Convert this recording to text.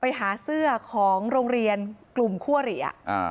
ไปหาเสื้อของโรงเรียนกลุ่มคั่วเหรีย